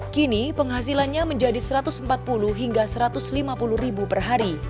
kini penghasilannya menjadi satu ratus empat puluh hingga satu ratus lima puluh ribu per hari